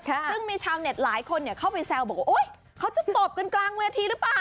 ซึ่งมีชาวเน็ตหลายคนเข้าไปแซวบอกว่าโอ๊ยเขาจะตบกันกลางเวทีหรือเปล่า